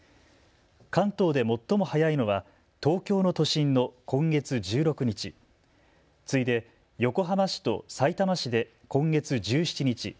関東で最も早いのは東京の都心の今月１６日、次いで横浜市とさいたま市で今月１７日。